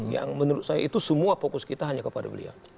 yang menurut saya itu semua fokus kita hanya kepada beliau